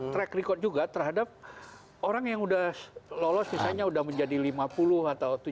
track record juga terhadap orang yang sudah lolos misalnya sudah menjadi lima puluh atau tujuh puluh